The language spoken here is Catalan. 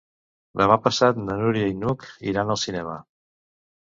Demà passat na Núria i n'Hug iran al cinema.